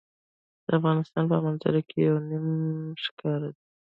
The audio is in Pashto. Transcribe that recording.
د افغانستان په منظره کې یورانیم ښکاره ده.